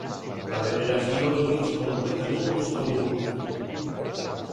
La veneració li és completament desconeguda.